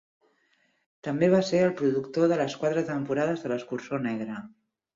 També va ser el productor de les quatre temporades de "L'escurçó negre".